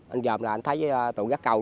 anh dòm là anh thấy tụi gác cầu